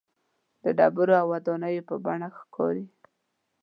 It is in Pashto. د ډبرو او ودانیو په بڼه ښکاري.